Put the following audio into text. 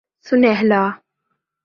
Sinhala